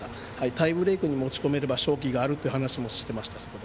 タイブレークに持ち込めれば勝機があるという話もしていました。